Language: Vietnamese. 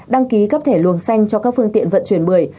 đăng ký cấp thẻ luồng xanh cho các phương tiện vận chuyển bưởi